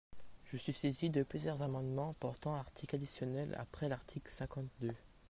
Je suis saisi de plusieurs amendements portant article additionnel après l’article cinquante-deux.